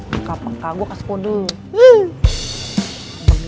nggak pek kak gue kasih kode dulu